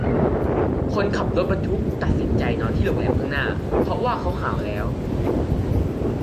คนขับรถบรรทุกตักสินใจนอนที่โรงแรมข้างหน้าเพราะว่าเขาหาวแล้ว